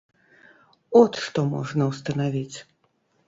От што можна ўстанавіць.